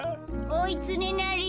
おいつねなり。